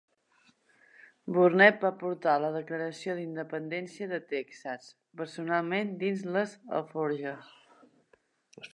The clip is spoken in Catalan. Burnet va portar la Declaració d'Independència de Texas personalment dins les alforges.